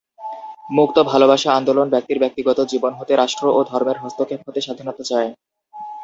মুক্ত ভালবাসা আন্দোলন ব্যক্তির ব্যক্তিগত জীবন হতে রাষ্ট্র ও ধর্মের হস্তক্ষেপ হতে স্বাধীনতা চায়।